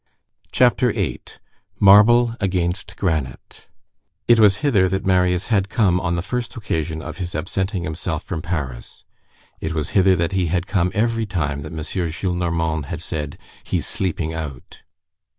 CHAPTER VIII—MARBLE AGAINST GRANITE It was hither that Marius had come on the first occasion of his absenting himself from Paris. It was hither that he had come every time that M. Gillenormand had said: "He is sleeping out."